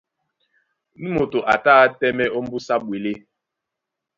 Nú moto a tá á tɛ́mɛ̀ ómbúsá ɓwelé.